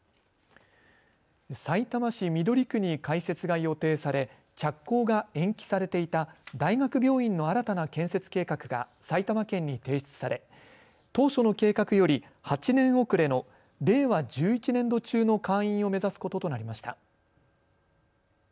さいたま市緑区に開設が予定され着工が延期されていた大学病院の新たな建設計画が埼玉県に提出され当初の計画より８年遅れの令和１１年度中の開院を目指すことになりました。